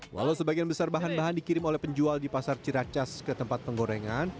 walau sebagian besar bahan bahan dikirim oleh penjual di pasar ciracas ke tempat penggorengan